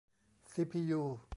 ซีพียู